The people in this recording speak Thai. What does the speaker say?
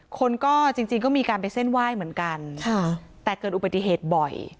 คนก็จริงก็มีการไปเส้นไหว้เหมือนกันแต่เกิดอุบัติเหตุบ่อย